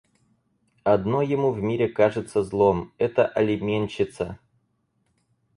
Одно ему в мире кажется злом — это алиментщица.